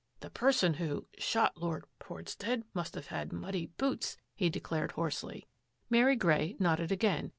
" The person who — shot Lord Portstead must have had muddy boots," he de clared hoarsely. Mary Grey nodded again.